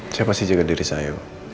siapa sih jaga diri saya